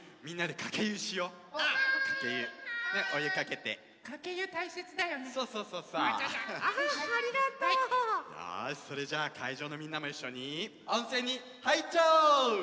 よしそれじゃあかいじょうのみんなもいっしょに温泉にはいっちゃおう！